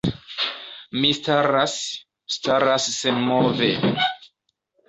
Mi staras, staras senmove.